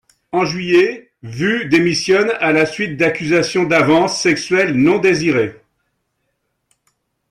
En juillet, Wu démissionne à la suite d'accusations d'avances sexuelles non désirées.